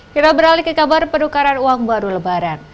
kita beralih ke kabar penukaran uang baru lebaran